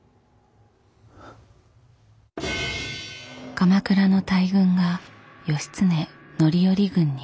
鎌倉の大軍が義経範頼軍に合流。